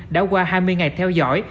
đã qua hai mươi ngày theo dõi